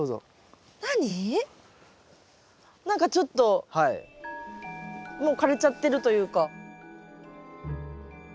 何かちょっともう枯れちゃってるというか。